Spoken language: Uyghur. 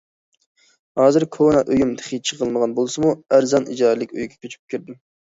ھازىر، كونا ئۆيۈم تېخى چىقىلمىغان بولسىمۇ ئەرزان ئىجارىلىك ئۆيگە كۆچۈپ كىردىم.